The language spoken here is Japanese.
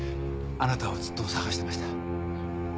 あなたをずっと捜してました。